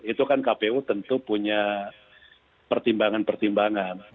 itu kan kpu tentu punya pertimbangan pertimbangan